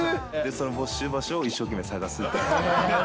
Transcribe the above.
その没収場所を一生懸命探すみたいな。